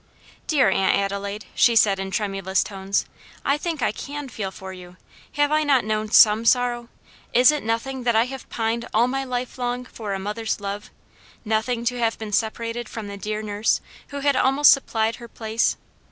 "Dear Aunt Adelaide," she said in tremulous tones, "I think I can feel for you. Have I not known some sorrow? Is it nothing that I have pined all my life long for a mother's love? nothing to have been separated from the dear nurse, who had almost supplied her place?